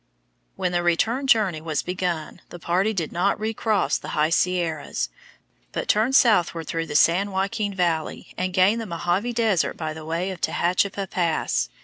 When the return journey was begun the party did not recross the high Sierras, but turned southward through the San Joaquin Valley and gained the Mohave Desert by the way of Tehachapai pass.